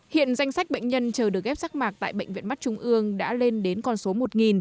hiện danh sách bệnh nhân chờ được ghép rác mạc tại bệnh viện mắt trung ương đã lên đến con số một